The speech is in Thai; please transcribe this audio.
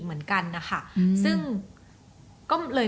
เหมือนโรงพยาบาลเหมือนคลินิก